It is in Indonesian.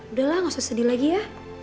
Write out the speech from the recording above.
udah lah gak usah sedih lagi ya